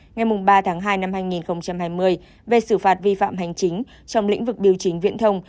ngày ba tháng hai năm hai nghìn hai mươi về xử phạt vi phạm hành chính trong lĩnh vực điều chính viễn thông